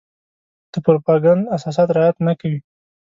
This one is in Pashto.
د پروپاګنډ اساسات رعايت نه کوي.